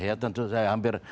ya tentu saya hampir